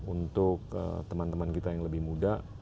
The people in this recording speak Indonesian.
untuk teman teman kita yang lebih muda